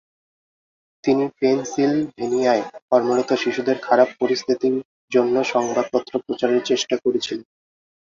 তিনি পেনসিলভেনিয়ায় কর্মরত শিশুদের খারাপ পরিস্থিতির জন্য সংবাদপত্র প্রচারের চেষ্টা করেছিলেন।